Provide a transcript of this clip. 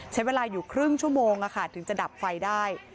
ใช้เวลาอยู่ครึ่งชั่วโมงถึงจะดับไฟได้